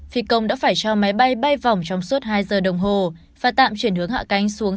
phi công đã phải cho máy bay bay vòng trong suốt hai giờ đồng hồ và tạm chuyển hướng hạ cánh xuống